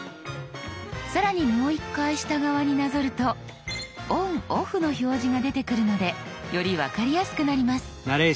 更にもう一回下側になぞると「ＯＮＯＦＦ」の表示が出てくるのでより分かりやすくなります。